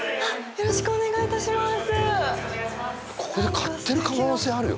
よろしくお願いします